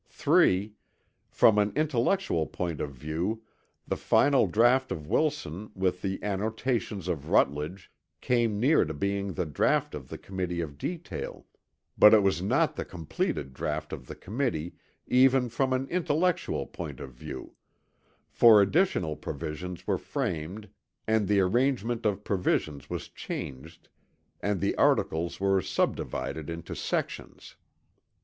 3. From an intellectual point of view the final draught of Wilson with the annotations of Rutledge came near to being the draught of the Committee of Detail; but it was not the completed draught of the Committee even from an intellectual point of view; for additional provisions were framed and the arrangement of provisions was changed and the articles were subdivided into sections.